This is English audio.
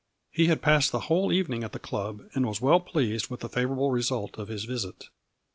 He had passed the whole evening at the club and was well pleased with the favorable result of his visit.